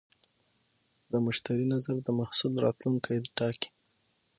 د مشتری نظر د محصول راتلونکی ټاکي.